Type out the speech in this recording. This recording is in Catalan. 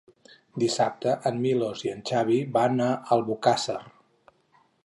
Dissabte en Milos i en Xavi van a Albocàsser.